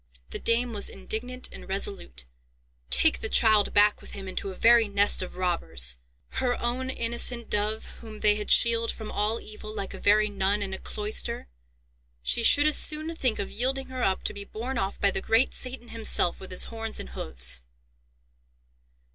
The dame was indignant and resolute: "Take the child back with him into a very nest of robbers!—her own innocent dove whom they had shielded from all evil like a very nun in a cloister! She should as soon think of yielding her up to be borne off by the great Satan himself with his horns and hoofs."